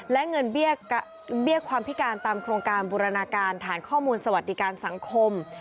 และเงินเบี้ยความพิการตามโครงการบูรณาการฐานข้อมูลสวัสดิการสังคม